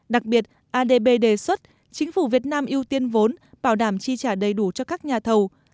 đặc biệt adb đề xuất chính phủ việt nam ưu tiên vốn bảo đảm chi trả đầy đủ cho các nhà thầu